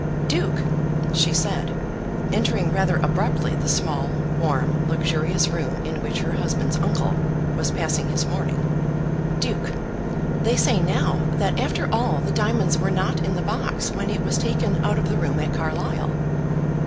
"Duke," she said, entering rather abruptly the small, warm, luxurious room in which her husband's uncle was passing his morning, "duke, they say now that after all the diamonds were not in the box when it was taken out of the room at Carlisle."